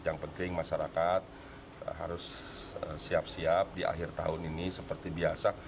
yang penting masyarakat harus siap siap di akhir tahun ini seperti biasa